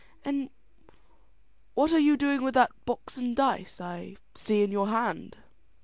"An' what are you doing with that box and dice I see in your hand?"